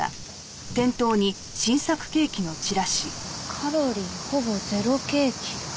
「カロリーほぼ０ケーキ」。